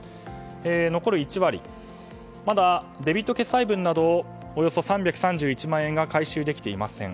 残る１割まだデビット決済分などおよそ３３１万円が回収できていません。